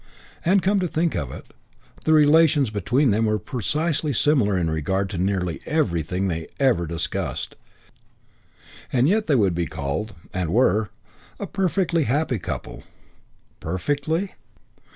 And, come to think of it, the relations between them were precisely similar in regard to nearly everything they ever discussed. And yet they would be called, and were, a perfectly happy couple. Perfectly?